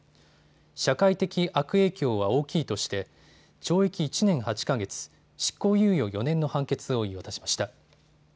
社会的悪影響は大きいとして懲役１年８か月、執行猶予４年の判決を言い渡しました。